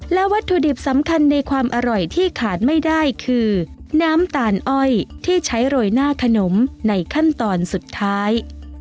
และวัตถุดิบสำคัญในความอร่อยที่ขาดไม่ได้คือน้ำตาลอ้อยที่ใช้โรยหน้าขนมในขั้นตอนสุดท้าย